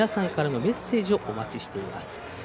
皆さんからのメッセージをお待ちしています。